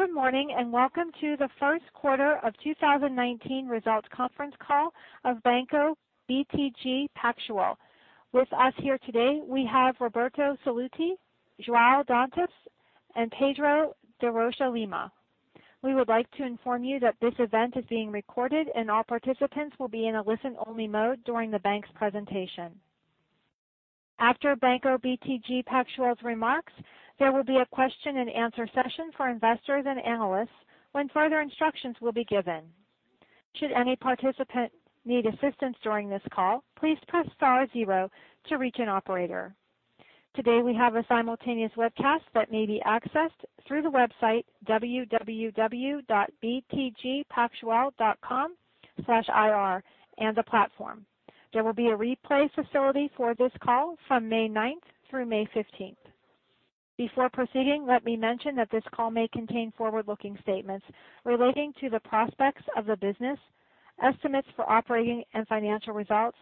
Good morning, welcome to the first quarter of 2019 results conference call of Banco BTG Pactual. With us here today, we have Roberto Sallouti, João Dantas, and Pedro de Rocha Lima. We would like to inform you that this event is being recorded, and all participants will be in a listen-only mode during the bank's presentation. After Banco BTG Pactual's remarks, there will be a question and answer session for investors and analysts when further instructions will be given. Should any participant need assistance during this call, please press star zero to reach an operator. Today, we have a simultaneous webcast that may be accessed through the website www.btgpactual.com/ir and the platform. There will be a replay facility for this call from May ninth through May 15th. Before proceeding, let me mention that this call may contain forward-looking statements relating to the prospects of the business, estimates for operating and financial results,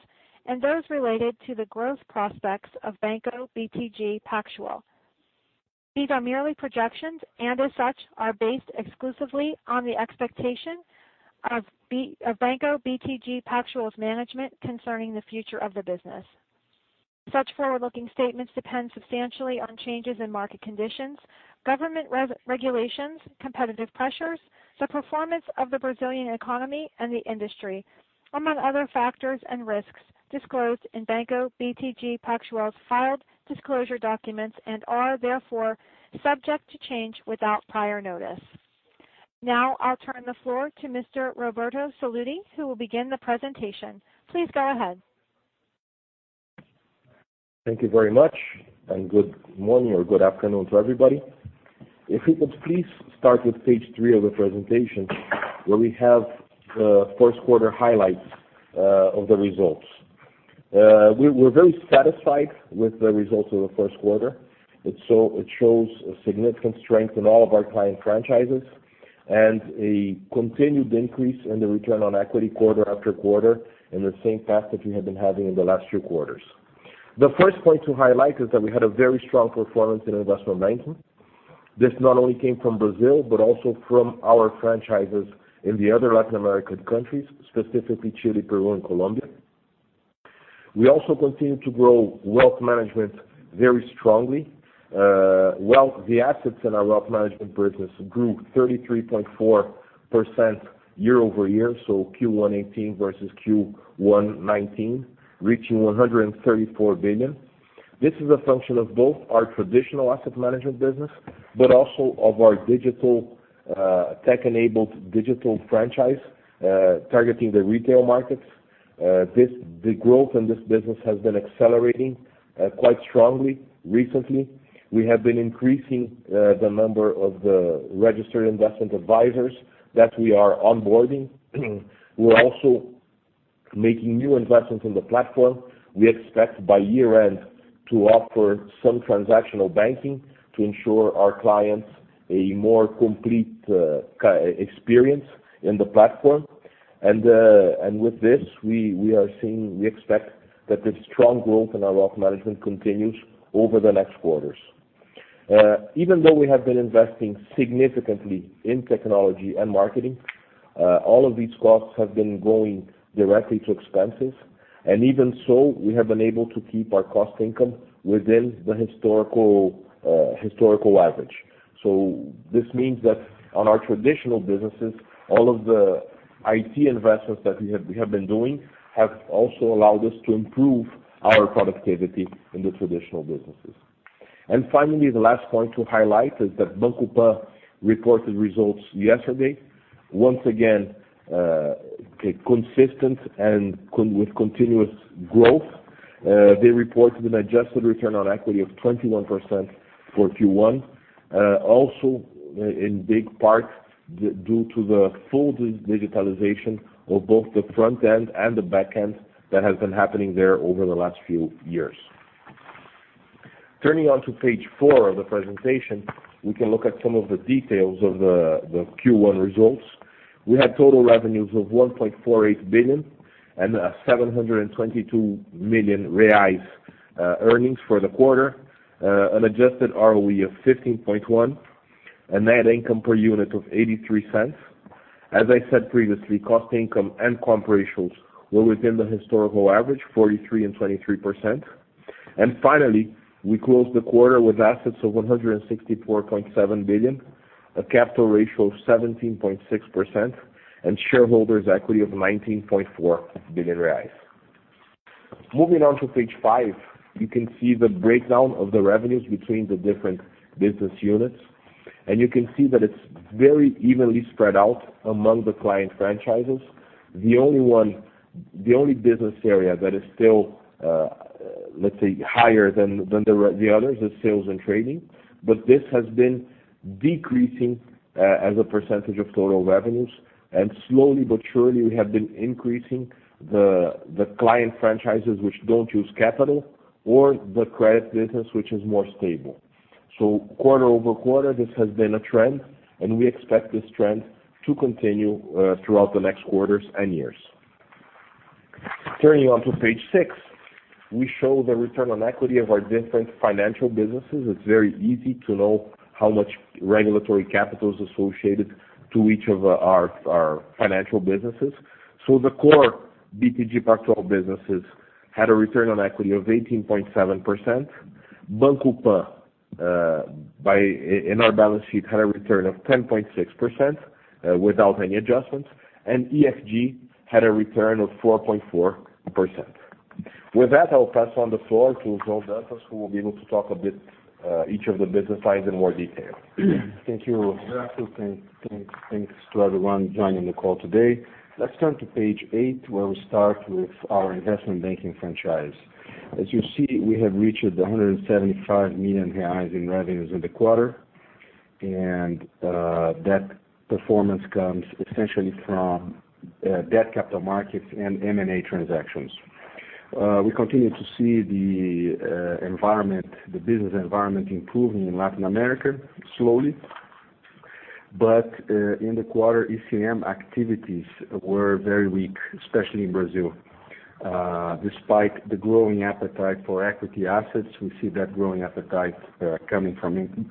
and those related to the growth prospects of Banco BTG Pactual. These are merely projections and as such, are based exclusively on the expectation of Banco BTG Pactual's management concerning the future of the business. Such forward-looking statements depend substantially on changes in market conditions, government regulations, competitive pressures, the performance of the Brazilian economy and the industry, among other factors and risks disclosed in Banco BTG Pactual's filed disclosure documents and are therefore subject to change without prior notice. Now, I'll turn the floor to Mr. Roberto Sallouti, who will begin the presentation. Please go ahead. Thank you very much, good morning or good afternoon to everybody. If we could please start with page three of the presentation, where we have the first quarter highlights of the results. We're very satisfied with the results of the first quarter. It shows a significant strength in all of our client franchises and a continued increase in the return on equity quarter after quarter in the same path that we have been having in the last few quarters. The first point to highlight is that we had a very strong performance in Investment Banking. This not only came from Brazil, but also from our franchises in the other Latin American countries, specifically Chile, Peru, and Colombia. We also continue to grow Wealth Management very strongly. The assets in our Wealth Management business grew 33.4% year-over-year, so Q1 2018 versus Q1 2019, reaching 134 billion. This is a function of both our traditional Asset Management business, but also of our tech-enabled digital franchise targeting the retail markets. The growth in this business has been accelerating quite strongly recently. We have been increasing the number of registered investment advisors that we are onboarding. We are also making new investments in the platform. We expect by year-end to offer some transactional banking to ensure our clients a more complete experience in the platform. With this, we expect that the strong growth in our Wealth Management continues over the next quarters. Even though we have been investing significantly in technology and marketing, all of these costs have been going directly to expenses. Even so, we have been able to keep our cost income within the historical average. This means that on our traditional businesses, all of the IT investments that we have been doing have also allowed us to improve our productivity in the traditional businesses. Finally, the last point to highlight is that Banco Pan reported results yesterday. Once again, consistent and with continuous growth. They reported an adjusted return on equity of 21% for Q1. Also, in big part, due to the full digitalization of both the front end and the back end that has been happening there over the last few years. Turning on to page four of the presentation, we can look at some of the details of the Q1 results. We had total revenues of 1.48 billion and 722 million reais earnings for the quarter, an adjusted ROE of 15.1, a net income per unit of 0.83. As I said previously, cost income and comp ratios were within the historical average, 43% and 23%. Finally, we closed the quarter with assets of 164.7 billion, a capital ratio of 17.6% and shareholders equity of 19.4 billion reais. Moving on to page five, you can see the breakdown of the revenues between the different business units, you can see that it's very evenly spread out among the client franchises. The only business area that is still, let's say, higher than the others is Sales and Trading, this has been decreasing as a percentage of total revenues. Slowly but surely, we have been increasing the client franchises which don't use capital or the credit business, which is more stable. Quarter-over-quarter, this has been a trend, we expect this trend to continue throughout the next quarters and years. Turning on to page six, we show the return on equity of our different financial businesses. It's very easy to know how much regulatory capital is associated to each of our financial businesses. The core Banco BTG Pactual businesses had a return on equity of 18.7%. Banco Pan, in our balance sheet, had a return of 10.6% without any adjustments, and EFG had a return of 4.4%. With that, I will pass on the floor to João Dantas, who will be able to talk a bit, each of the business sides in more detail. Thank you, Roberto Sallouti. Thanks to everyone joining the call today. Let's turn to page eight, where we start with our Investment Banking franchise. As you see, we have reached 175 million reais in revenues in the quarter, that performance comes essentially from Debt Capital Markets and M&A transactions. We continue to see the business environment improving in Latin America, slowly. In the quarter, ECM activities were very weak, especially in Brazil. Despite the growing appetite for equity assets, we see that growing appetite coming from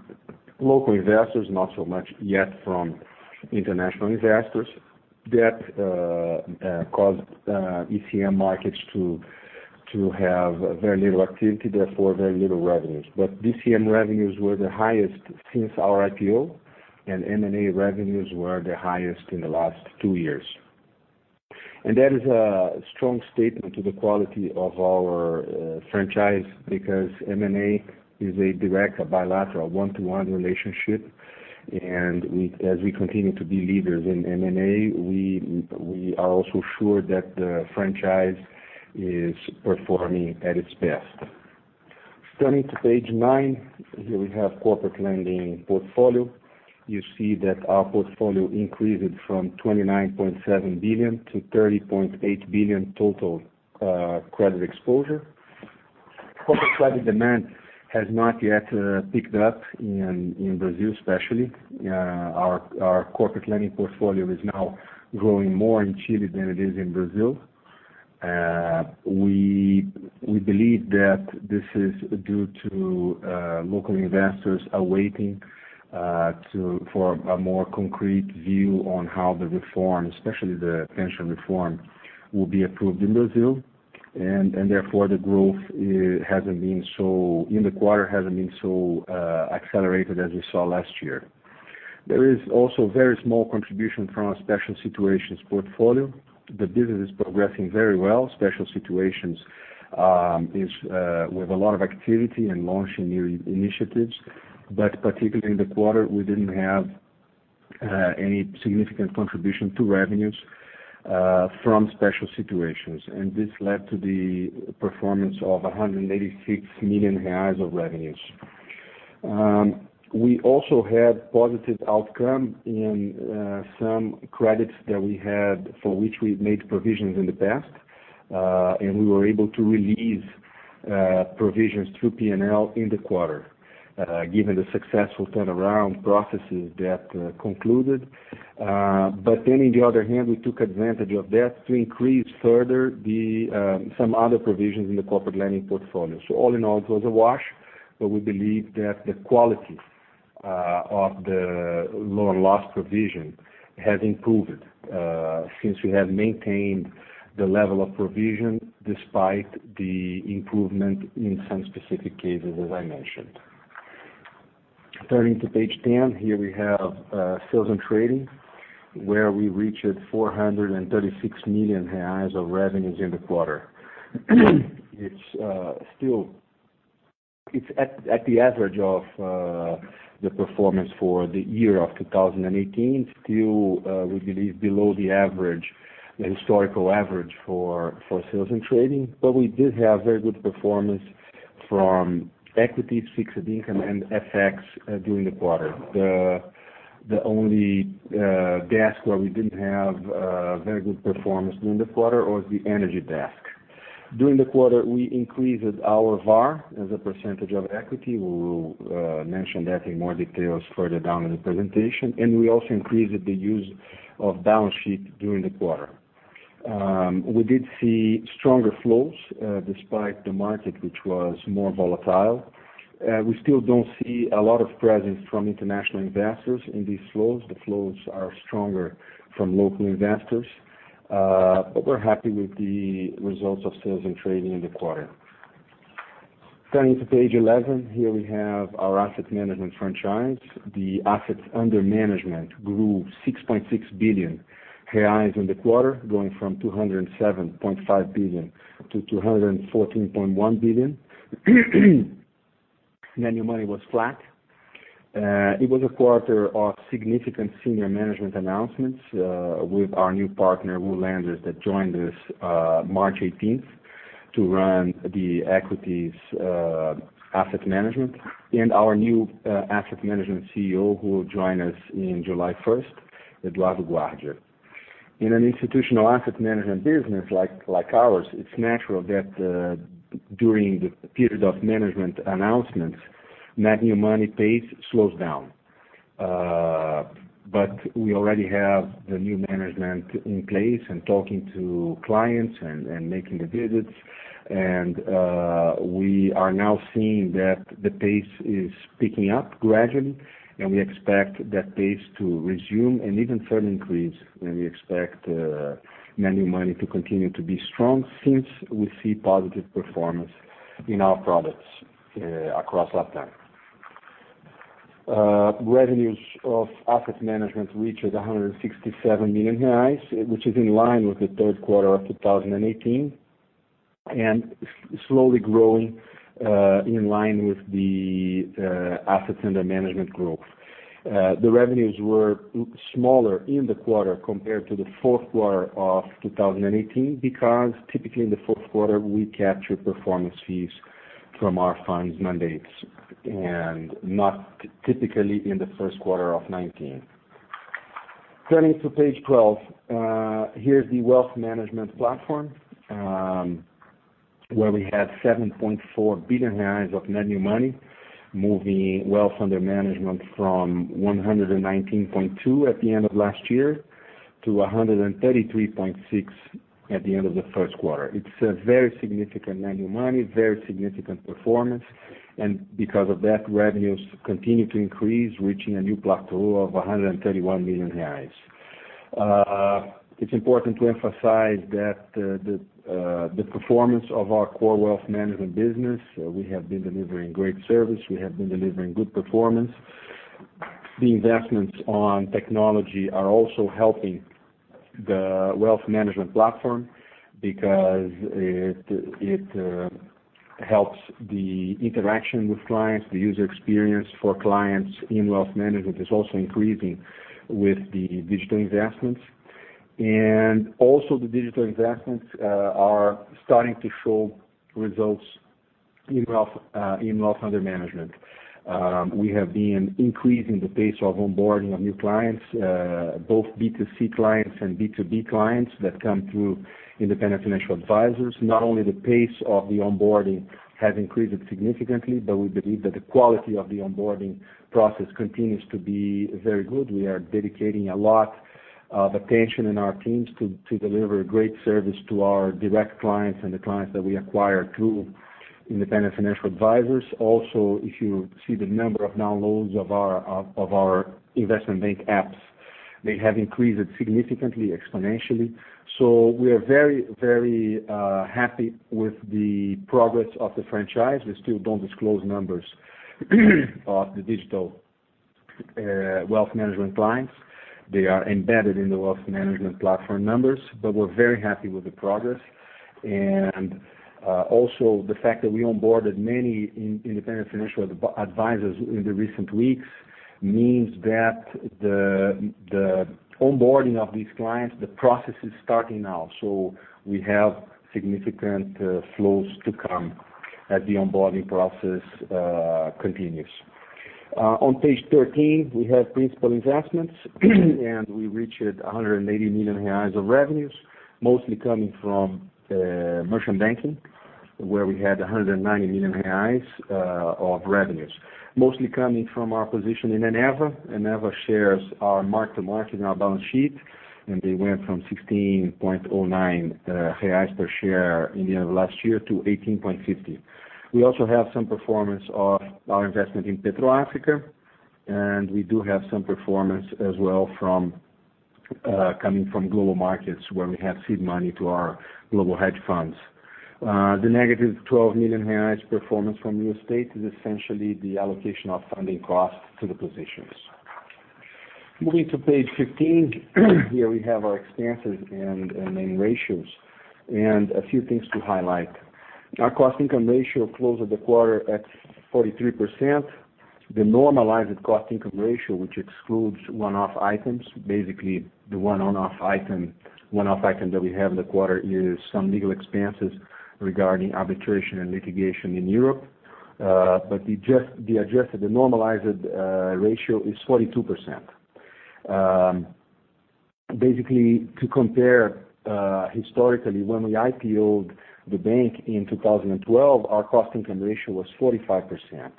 local investors, not so much yet from international investors. That caused ECM markets to have very little activity, therefore very little revenues. DCM revenues were the highest since our IPO, M&A revenues were the highest in the last two years. That is a strong statement to the quality of our franchise because M&A is a direct, a bilateral one-to-one relationship. As we continue to be leaders in M&A, we are also sure that the franchise is performing at its best. Turning to page nine, here we have corporate lending portfolio. You see that our portfolio increased from 29.7 billion-30.8 billion total credit exposure. Corporate credit demand has not yet picked up in Brazil, especially. Our corporate lending portfolio is now growing more in Chile than it is in Brazil. We believe that this is due to local investors are waiting for a more concrete view on how the reform, especially the pension reform, will be approved in Brazil, and therefore the growth in the quarter hasn't been so accelerated as we saw last year. There is also very small contribution from our special situations portfolio. The business is progressing very well. Special situations, we have a lot of activity and launching new initiatives, particularly in the quarter, we didn't have any significant contribution to revenues from special situations, and this led to the performance of 186 million reais of revenues. We also had positive outcome in some credits that we had for which we've made provisions in the past, and we were able to release provisions through P&L in the quarter given the successful turnaround processes that concluded. On the other hand, we took advantage of that to increase further some other provisions in the corporate lending portfolio. All in all, it was a wash, but we believe that the quality of the loan loss provision has improved, since we have maintained the level of provision despite the improvement in some specific cases, as I mentioned. Turning to page 10, here we have Sales and Trading, where we reached 436 million reais of revenues in the quarter. It's at the average of the performance for the year of 2018. Still, we believe below the historical average for Sales and Trading, but we did have very good performance from equity, fixed income, and FX during the quarter. The only desk where we didn't have a very good performance during the quarter was the energy desk. During the quarter, we increased our VaR as a percentage of equity. We will mention that in more details further down in the presentation, and we also increased the use of balance sheet during the quarter. We did see stronger flows, despite the market, which was more volatile. We still don't see a lot of presence from international investors in these flows. The flows are stronger from local investors. We're happy with the results of Sales and Trading in the quarter. Turning to page 11, here we have our Asset Management franchise. The assets under management grew 6.6 billion reais in the quarter, going from 207.5 billion-214.1 billion. New money was flat. It was a quarter of significant senior management announcements, with our new partner, Will Landers, that joined us March 18th to run the equities Asset Management, and our new Asset Management CEO, who will join us in July 1st, Eduardo Guardia. In an institutional Asset Management business like ours, it's natural that during the period of management announcements, net new money pace slows down. We already have the new management in place and talking to clients and making the visits. We are now seeing that the pace is picking up gradually. We expect that pace to resume an even further increase. We expect net new money to continue to be strong since we see positive performance in our products across LatAm. Revenues of Asset Management reached 167 million reais, which is in line with the third quarter of 2018, slowly growing in line with the AUM growth. The revenues were smaller in the quarter compared to the fourth quarter of 2018, because typically in the fourth quarter, we capture performance fees from our funds mandates, not typically in the first quarter of 2019. Turning to page 12. Here is the Wealth Management platform, where we had 7.4 billion reais of net new money, moving wealth under management from 119.2 billion at the end of last year to 133.6 billion at the end of the first quarter. It is a very significant net new money, very significant performance. Because of that, revenues continue to increase, reaching a new plateau of 131 million reais. It is important to emphasize that the performance of our core Wealth Management business, we have been delivering great service, we have been delivering good performance. The investments on technology are also helping the Wealth Management platform because it helps the interaction with clients. The user experience for clients in Wealth Management is also increasing with the digital investments. The digital investments are starting to show results in wealth under management. We have been increasing the pace of onboarding of new clients, both B2C clients and B2B clients that come through independent financial advisors. Not only the pace of the onboarding has increased significantly, we believe that the quality of the onboarding process continues to be very good. We are dedicating a lot of attention in our teams to deliver great service to our direct clients and the clients that we acquire through independent financial advisors. If you see the number of downloads of our Investment Banking apps, they have increased significantly, exponentially. We are very happy with the progress of the franchise. We still do not disclose numbers of the digital Wealth Management clients. They are embedded in the Wealth Management platform numbers. We are very happy with the progress. The fact that we onboarded many independent financial advisors in the recent weeks means that the onboarding of these clients, the process is starting now. We have significant flows to come as the onboarding process continues. On page 13, we have Principal Investments. We reached 180 million reais of revenues, mostly coming from Merchant Banking, where we had 190 million reais of revenues. Mostly coming from our position in Eneva. Eneva shares are mark-to-market in our balance sheet. They went from 16.09 reais per share in the end of last year to 18.50. We also have some performance of our investment in PetroAfrica. We do have some performance as well coming from Global Markets where we have seed money to our global hedge funds. The negative 12 million reais performance from Real Estate is essentially the allocation of funding costs to the positions. Moving to page 15. Here we have our expenses and main ratios, a few things to highlight. Our cost-income ratio closed the quarter at 43%. The normalized cost income ratio, which excludes one-off items, basically the one one-off item that we have in the quarter is some legal expenses regarding arbitration and litigation in Europe. The adjusted, the normalized ratio is 42%. To compare historically, when we IPO-ed the bank in 2012, our cost income ratio was 45%.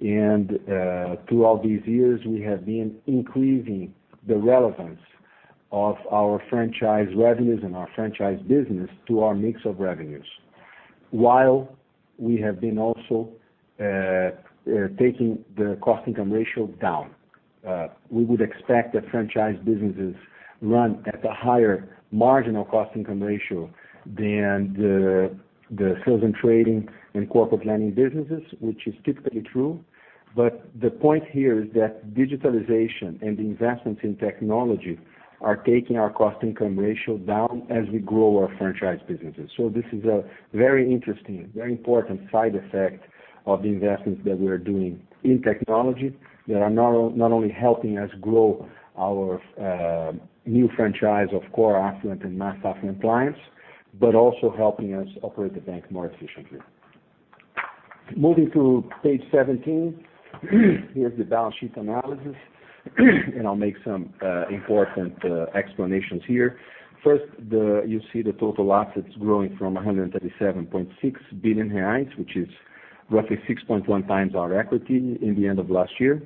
Throughout these years, we have been increasing the relevance of our franchise revenues and our franchise business to our mix of revenues, while we have been also taking the cost income ratio down. We would expect that franchise businesses run at a higher marginal cost income ratio than the Sales and Trading and Corporate Lending businesses, which is typically true. The point here is that digitalization and the investments in technology are taking our cost income ratio down as we grow our franchise businesses. This is a very interesting, very important side effect of the investments that we are doing in technology that are not only helping us grow our new franchise of core affluent and mass affluent clients, but also helping us operate the bank more efficiently. Moving to page 17. Here's the balance sheet analysis. I'll make some important explanations here. First, you see the total assets growing from 137.6 billion reais, which is roughly 6.1x our equity in the end of last year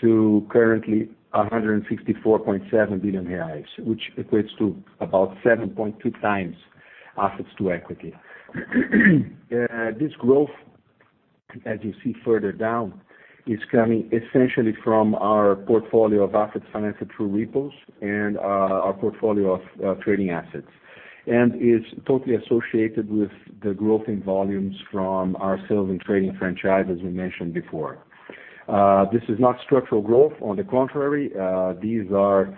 to currently 164.7 billion reais, which equates to about 7.2x assets to equity. This growth, as you see further down, is coming essentially from our portfolio of assets financed through repos and our portfolio of trading assets, is totally associated with the growth in volumes from our Sales and Trading franchise, as we mentioned before. This is not structural growth. On the contrary, these are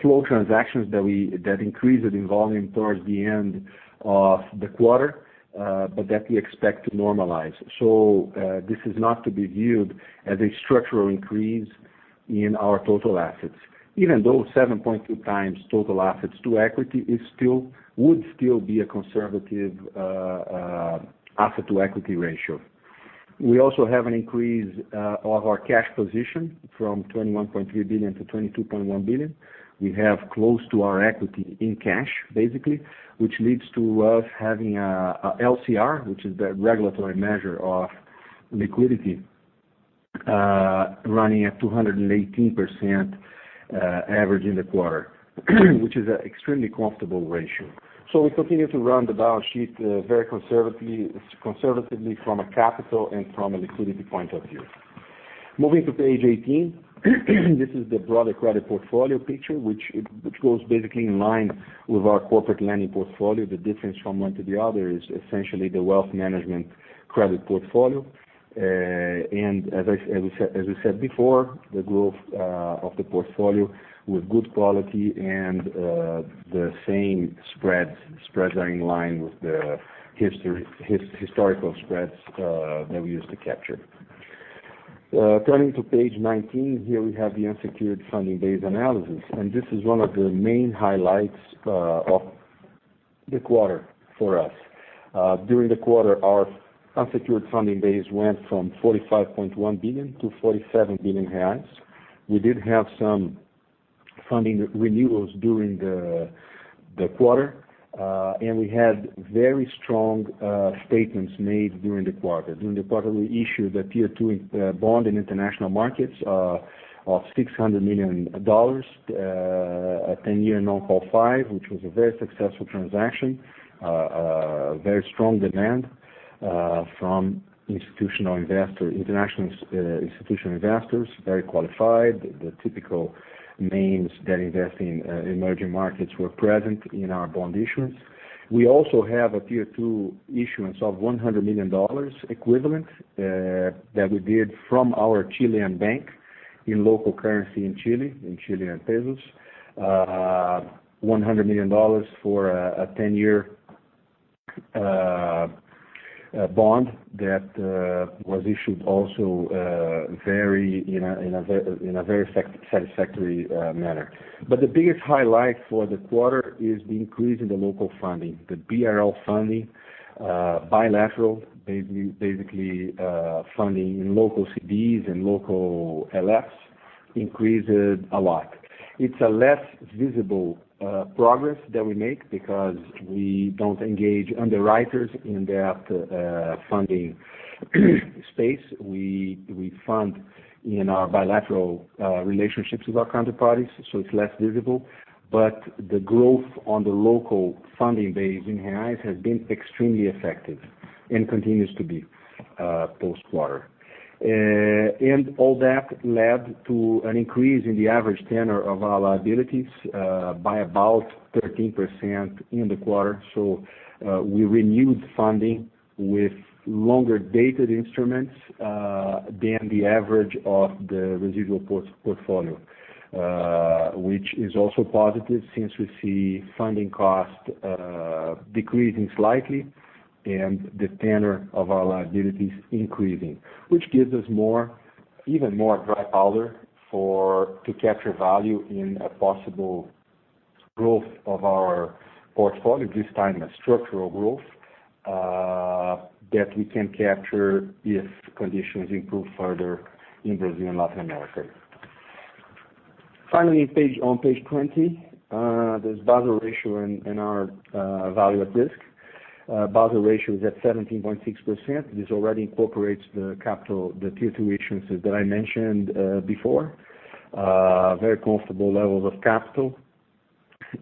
flow transactions that increased in volume towards the end of the quarter, that we expect to normalize. This is not to be viewed as a structural increase in our total assets, even though 7.2x total assets to equity would still be a conservative asset to equity ratio. We also have an increase of our cash position from 21.3 billion to 22.1 billion. We have close to our equity in cash, basically, which leads to us having a LCR, which is the regulatory measure of liquidity, running at 218% average in the quarter, which is an extremely comfortable ratio. We continue to run the balance sheet very conservatively from a capital and from a liquidity point of view. Moving to page 18. This is the broader credit portfolio picture, which goes basically in line with our Corporate Lending portfolio. The difference from one to the other is essentially the Wealth Management credit portfolio. As we said before, the growth of the portfolio with good quality and the same spreads. Spreads are in line with the historical spreads that we used to capture. Turning to page 19, here we have the unsecured funding base analysis. This is one of the main highlights of the quarter for us. During the quarter, our unsecured funding base went from 45.1 billion-47 billion reais. We did have some funding renewals during the quarter. We had very strong statements made during the quarter. During the quarter, we issued a Tier 2 bond in international markets of $600 million, a 10-year non-call five, which was a very successful transaction, very strong demand from international institutional investors, very qualified. The typical names that invest in emerging markets were present in our bond issuance. We also have a Tier 2 issuance of CLP 100 million equivalent that we did from our Chilean bank in local currency in Chile, in Chilean pesos, CLP 100 million for a 10-year bond that was issued also in a very satisfactory manner. The biggest highlight for the quarter is the increase in the local funding. The BRL funding, bilateral, basically funding in local CDs and local LFs, increased a lot. It's a less visible progress that we make because we don't engage underwriters in that funding space. We fund in our bilateral relationships with our counterparties, so it's less visible. The growth on the local funding base in reais has been extremely effective and continues to be post-quarter. All that led to an increase in the average tenor of our liabilities by about 13% in the quarter. We renewed funding with longer-dated instruments than the average of the residual portfolio, which is also positive since we see funding costs decreasing slightly and the tenor of our liabilities increasing, which gives us even more dry powder to capture value in a possible growth of our portfolio, this time a structural growth, that we can capture if conditions improve further in Brazil and Latin America. Finally, on page 20, there's Basel ratio and our Value at Risk. Basel ratio is at 17.6%. This already incorporates the Tier 2 issuances that I mentioned before. Very comfortable levels of capital.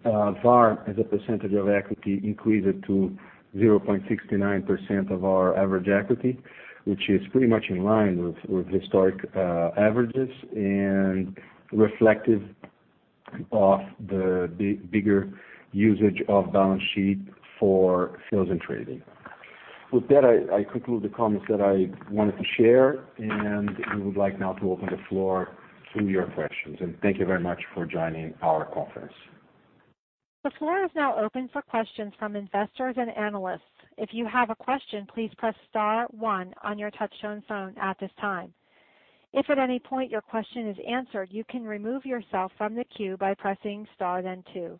VaR as a percentage of equity increased to 0.69% of our average equity, which is pretty much in line with historic averages and reflective of the bigger usage of balance sheet for Sales and Trading. With that, I conclude the comments that I wanted to share, and we would like now to open the floor to your questions. Thank you very much for joining our conference. The floor is now open for questions from investors and analysts. If you have a question, please press star one on your touchtone phone at this time. If at any point your question is answered, you can remove yourself from the queue by pressing star then two.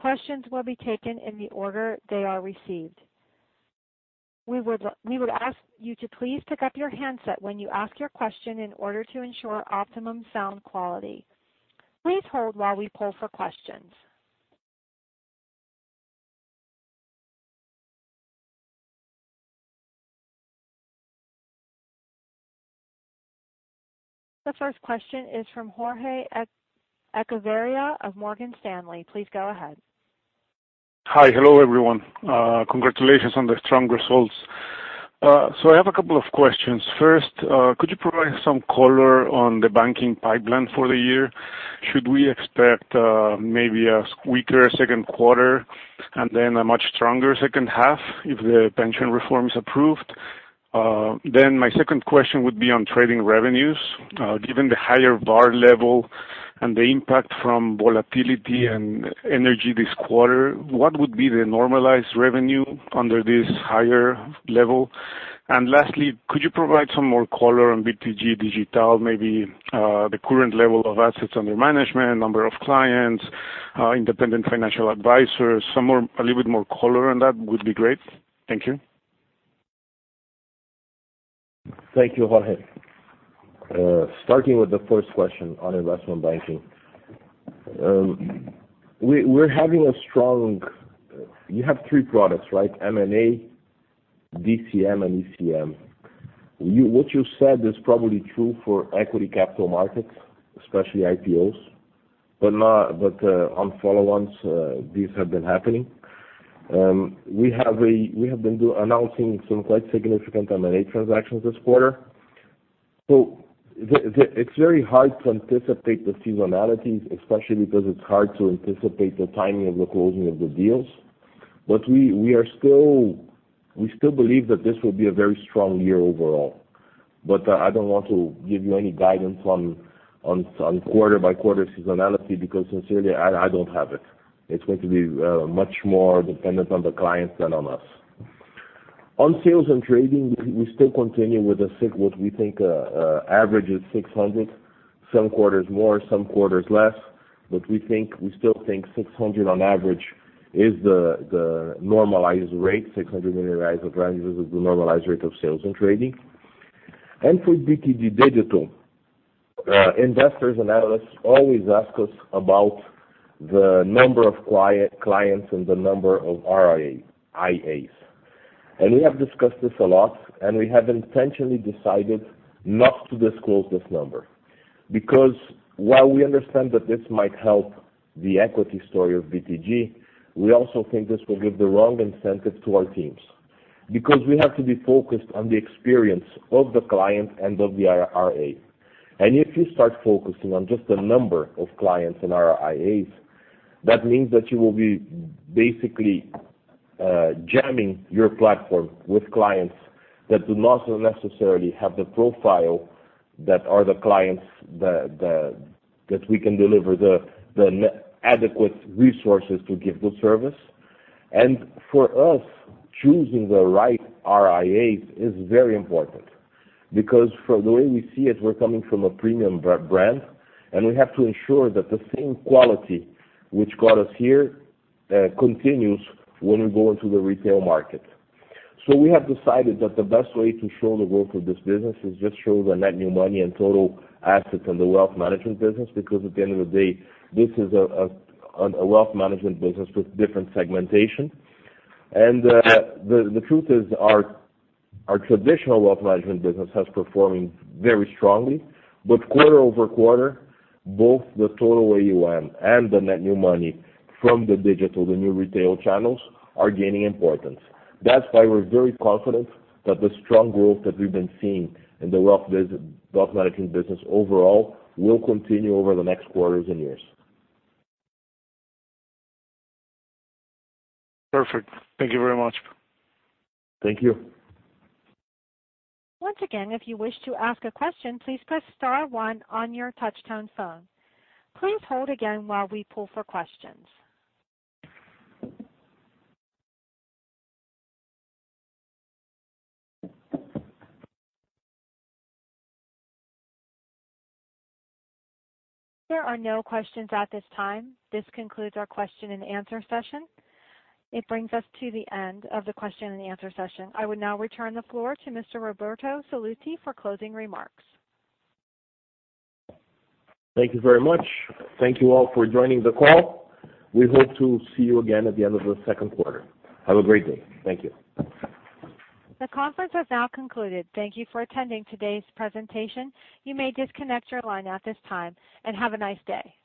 Questions will be taken in the order they are received. We would ask you to please pick up your handset when you ask your question in order to ensure optimum sound quality. Please hold while we poll for questions. The first question is from Jorge Kuri of Morgan Stanley. Please go ahead. Hi. Hello, everyone. Congratulations on the strong results. I have a couple of questions. First, could you provide some color on the banking pipeline for the year? Should we expect maybe a weaker second quarter and then a much stronger second half if the pension reform is approved? My second question would be on trading revenues. Given the higher VaR level and the impact from volatility and energy this quarter, what would be the normalized revenue under this higher level? Lastly, could you provide some more color on BTG Pactual digital, maybe the current level of assets under management, number of clients, independent financial advisors, a little bit more color on that would be great. Thank you. Thank you, Jorge Kuri. Starting with the first question on Investment Banking. We're having a strong. You have three products, right? M&A, DCM, and ECM. What you said is probably true for equity capital markets, especially IPOs, but on follow-ons, these have been happening. We have been announcing some quite significant M&A transactions this quarter. It's very hard to anticipate the seasonality, especially because it's hard to anticipate the timing of the closing of the deals. We still believe that this will be a very strong year overall. I don't want to give you any guidance on quarter-by-quarter seasonality because sincerely, I don't have it. It's going to be much more dependent on the clients than on us. On Sales and Trading, we still continue with what we think averages 600, some quarters more, some quarters less. We still think 600 on average is the normalized rate, 600 million of revenues is the normalized rate of Sales and Trading. For BTG Pactual digital, investors and analysts always ask us about the number of clients and the number of RIAs. We have discussed this a lot, and we have intentionally decided not to disclose this number. While we understand that this might help the equity story of BTG, we also think this will give the wrong incentive to our teams. We have to be focused on the experience of the client and of the RIA. If you start focusing on just the number of clients and RIAs, that means that you will be basically jamming your platform with clients that do not necessarily have the profile that are the clients that we can deliver the adequate resources to give good service. For us, choosing the right RIAs is very important because from the way we see it, we are coming from a premium brand, and we have to ensure that the same quality which got us here continues when we go into the retail market. We have decided that the best way to show the growth of this business is just show the net new money and total assets on the Wealth Management business, because at the end of the day, this is a Wealth Management business with different segmentation. The truth is our traditional Wealth Management business has performing very strongly. Quarter-over-quarter, both the total AUM and the net new money from the digital, the new retail channels are gaining importance. That's why we're very confident that the strong growth that we've been seeing in the Wealth Management business overall will continue over the next quarters and years. Perfect. Thank you very much. Thank you. Once again, if you wish to ask a question, please press star one on your touch-tone phone. Please hold again while we poll for questions. There are no questions at this time. This concludes our question and answer session. It brings us to the end of the question and answer session. I would now return the floor to Mr. Roberto Sallouti for closing remarks. Thank you very much. Thank you all for joining the call. We hope to see you again at the end of the second quarter. Have a great day. Thank you. The conference has now concluded. Thank you for attending today's presentation. You may disconnect your line at this time, and have a nice day.